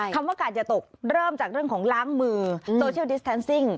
คำว่ากาดอย่าตกเริ่มจากเรื่องของล้างมือโซเชียลดิสแทนซิ่ง